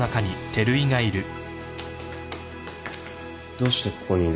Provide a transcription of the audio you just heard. どうしてここにいる。